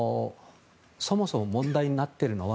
そもそも問題になっているのは